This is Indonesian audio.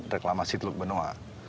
reklamasi teluk benoa